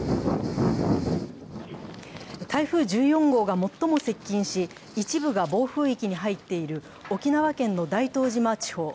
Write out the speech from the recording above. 台風１４号が最も接近し、一部が暴風域に入っている沖縄県の大東島地方。